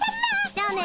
じゃあね。